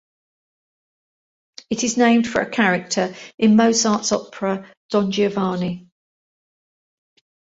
It is named for a character in Mozart's opera, "Don Giovanni".